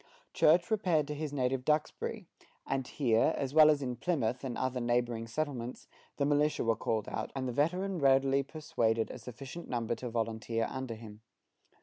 Church repaired to his native Duxbury; and here, as well as in Plymouth and other neighboring settlements, the militia were called out, and the veteran readily persuaded a sufficient number to volunteer under him.